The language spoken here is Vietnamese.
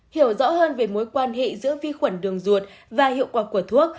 hiểu rõ hơn về mối quan hệ giữa vi khuẩn đường ruột và hiệu quả của thuốc